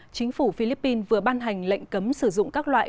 chính phủ philippines vừa ban hành lệnh cấm sử dụng các loại